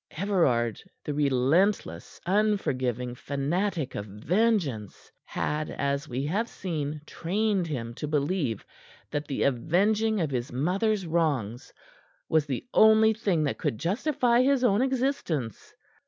Everard, the relentless, unforgiving fanatic of vengeance, had as we have seen trained him to believe that the avenging of his mother's wrongs was the only thing that could justify his own existence.